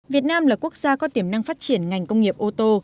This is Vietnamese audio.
việt nam là quốc gia có tiềm năng phát triển ngành công nghiệp ô tô